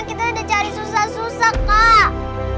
kita udah cari susah susah kak